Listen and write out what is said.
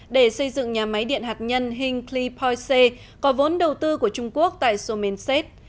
để xây dựng nhà máy điện hạt nhân hinkley poisey có vốn đầu tư của trung quốc tại somenset